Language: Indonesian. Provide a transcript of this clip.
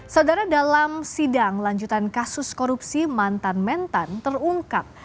saudara dalam sidang lanjutan kasus korupsi mantan mentan terungkap